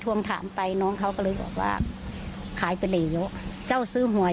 วงถามไปน้องเขาก็เลยบอกว่าขายไปเลยเยอะเจ้าซื้อหวย